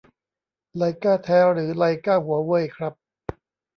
ไลก้าแท้หรือไลก้าหัวเว่ยครับ